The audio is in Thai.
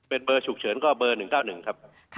เป็นเบอร์ฉุกเฉินก็เบอร์๑๙๑ครับ